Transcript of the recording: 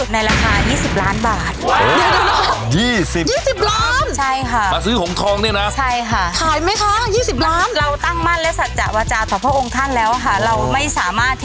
ในราคา๒๐ล้านบาท